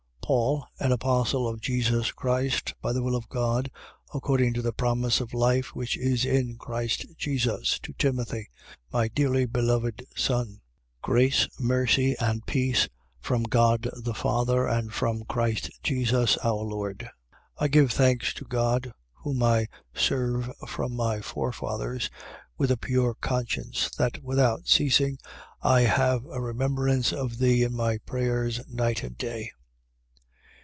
1:1. Paul, an apostle of Jesus Christ, by the will of God, according to the promise of life which is in Christ Jesus: 1:2. To Timothy, my dearly beloved son. Grace, mercy and peace, from God the Father and from Christ Jesus our Lord. 1:3. I give thanks to God, whom I serve from my forefathers, with a pure conscience, that without ceasing I have a remembrance of thee in my prayers, night and day.